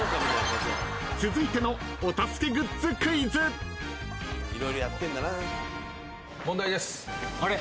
［続いてのお助けグッズクイズ］問題です。